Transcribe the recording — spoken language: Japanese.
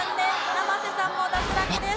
生瀬さんも脱落です。